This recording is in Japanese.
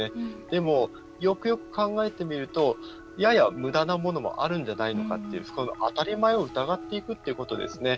でも、よくよく考えてみるとやや、むだなものもあるんじゃないのかっていう当たり前を疑っていくっていうことですね。